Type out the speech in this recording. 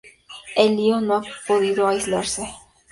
El LiO no ha podido aislarse.